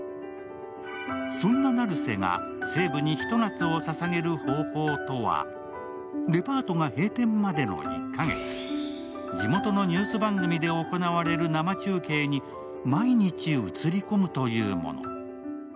そんな成瀬が西武に一夏をささげる方法とは、デパートが閉店までの１か月、地元のニュース番組で行われる生中継に毎日映り込むというもの。